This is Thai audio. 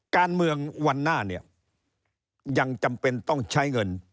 การเมืองวันหน้าเนี่ยยังจำเป็นต้องใช้เงิน